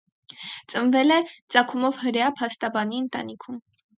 Ծնվել է ծագումով հրեա փաստաբանի ընտանիքում։